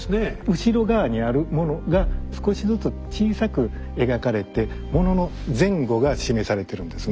後ろ側にあるものが少しずつ小さく描かれて物の前後が示されてるんですね。